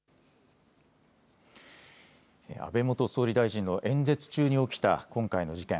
安倍元総理大臣の演説中に起きた今回の事件。